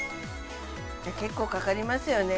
結構かかりますよね